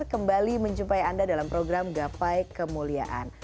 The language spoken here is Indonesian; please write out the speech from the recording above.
kembali menjumpai anda dalam program gapai kemuliaan